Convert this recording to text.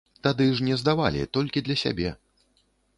Тады ж не здавалі, толькі для сябе.